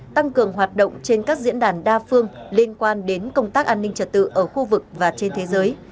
tăng cường hoạt động trên các diễn đàn đa phương liên quan đến công tác an ninh trật tự ở khu vực và trên thế giới